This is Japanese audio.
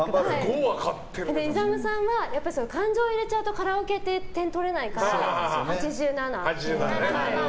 ＩＺＡＭさんが感情を入れちゃうとカラオケって点取れないから８７。